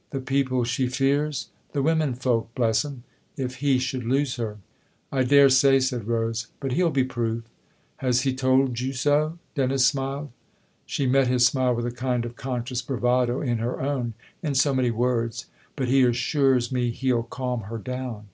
" The people she fears ?" "The women folk, bless 'em if he should lose her." " I daresay," said Rose. " But he'll be proof." " Has he told you so ?" Dennis smiled. She met his smile with a kind of conscious bravado in her own. " In so many words. But he assures me he'll calm her down."